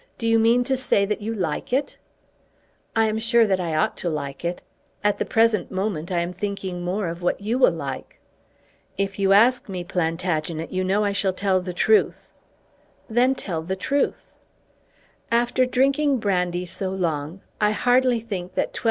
Do you mean to say that you like it?" "I am sure that I ought to like it. At the present moment I am thinking more of what you will like." "If you ask me, Plantagenet, you know I shall tell the truth." "Then tell the truth." "After drinking brandy so long I hardly think that 12s.